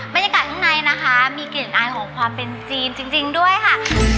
บรรยากาศข้างในนะคะมีกลิ่นอายของความเป็นจีนจริงด้วยค่ะ